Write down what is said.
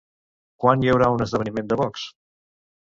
Quan hi haurà un esdeveniment de Vox?